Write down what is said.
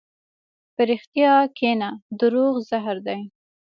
په رښتیا کښېنه، دروغ زهر دي.